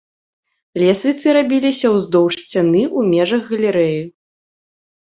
Лесвіцы рабіліся ўздоўж сцяны ў межах галерэі.